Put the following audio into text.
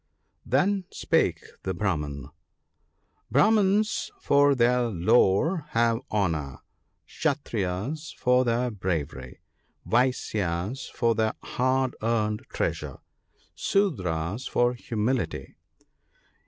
" Then spake that Brahman :— "Brahmans for their lore ( 105 ) have honour; Kshattriyas for their bravery ; Vaisyas for their hard earned treasure ; Sudras for humility."